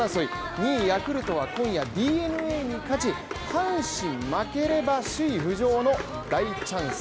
２位ヤクルトは今夜ＤｅＮＡに勝ち、阪神が負ければ首位浮上の大チャンス。